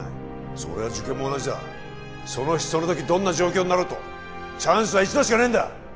それは受験も同じだその日その時どんな状況になろうとチャンスは一度しかねえんだ